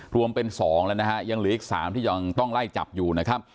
รวมเป็น๒แล้วนะฮะยังเหลืออีก๓ที่ยังต้องไล่จับอยู่นะครับ